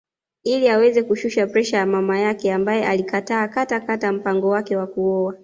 Ili aweze kushusha presha ya mama yake ambaye alikataa katakata mpango wake wa kuoa